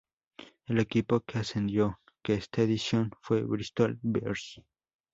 El equipo que ascendió en esta edición fue Bristol Bears.